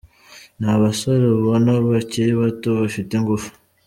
Ni abasore ubona bakiri bato, bafite ingufu.